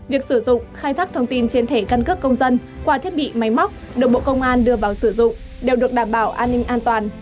việc sử dụng khai thác thông tin trên thẻ căn cước công dân qua thiết bị máy móc được bộ công an đưa vào sử dụng đều được đảm bảo an ninh an toàn